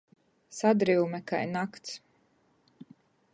Sadryume kai nakts.